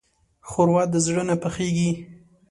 ښوروا د زړه نه پخېږي.